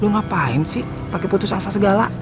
lu ngapain sih pakai putus asa segala